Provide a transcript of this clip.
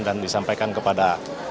dan disampaikan kepada